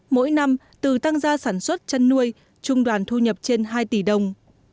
mỗi năm từ tăng gia sản xuất chăn nuôi trung đoàn thu nhập trên hai tỷ đồng